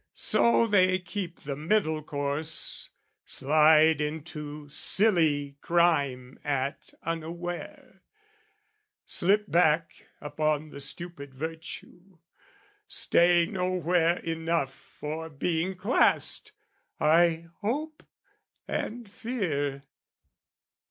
So they keep the middle course, Slide into silly crime at unaware, Slip back upon the stupid virtue, stay Nowhere enough for being classed, I hope And fear.